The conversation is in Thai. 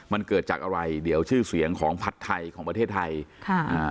มันเกิดจากอะไรเดี๋ยวชื่อเสียงของผัดไทยของประเทศไทยค่ะอ่า